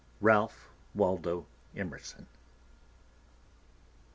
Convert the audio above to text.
RALPH WALDO EMERSON.